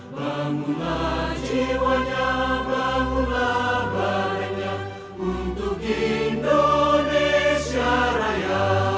bangunlah jiwanya bangunlah badannya untuk indonesia raya